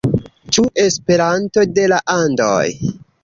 Ĉu Esperanto de la Andoj?